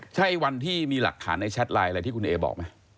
ใช่วันที่มีหลักฐานในแชทไลน์อะไรที่คุณเอบอกไหม